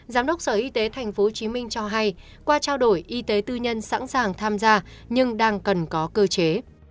giám đốc sở y tế tp hcm cho hay qua trao đổi y tế tư nhân sẵn sàng tham gia nhưng đang cần có cơ chế